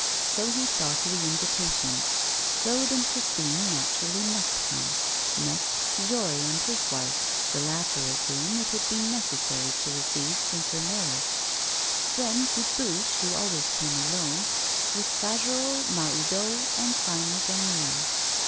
So he saw to the invitations; Claude and Christine naturally must come; next Jory and his wife, the latter of whom it had been necessary to receive since her marriage, then Dubuche, who always came alone, with Fagerolles, Mahoudeau, and finally Gagnière.